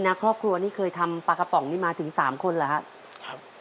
นะครอบครัวนี่เคยทำปลากระป๋องนี่มาถึง๓คนเหรอครับ